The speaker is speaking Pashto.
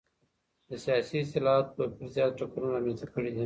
د سياسي اصطلاحاتو توپير زيات ټکرونه رامنځته کړي دي.